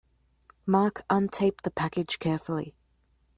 Mark untaped the package carefully.